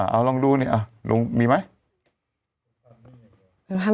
เอาลองดูนี่ลุงมีไหม